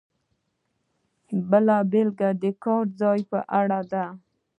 بله بېلګه د کار ځای په اړه ده.